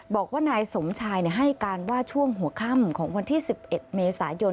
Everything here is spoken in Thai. บอกว่านายสมชายให้การว่าช่วงหัวค่ำของวันที่๑๑เมษายน